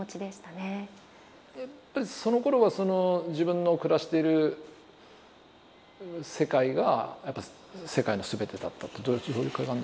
やっぱりそのころはその自分の暮らしてる世界がやっぱ世界の全てだったってどういう感じですかね。